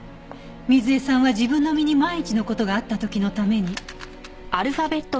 水絵さんは自分の身に万一の事があった時のために。